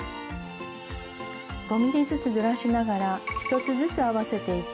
５ｍｍずつずらしながら１つずつ合わせていき